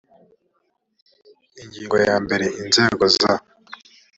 ingingo ya mbere inzego za reaf